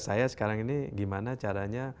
saya sekarang ini gimana caranya